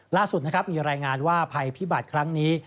ล่าสุดนะครับมีรายงานว่าภัยพิบัติครั้งนี้